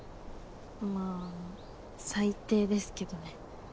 まあ最低ですけどね。